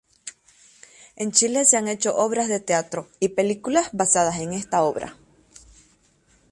En Chile se han hecho obras de teatro y películas basadas en esta obra.